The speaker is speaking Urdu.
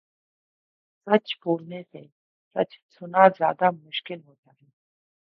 سچ بولنے سے سچ سنا زیادہ مشکل ہوتا ہے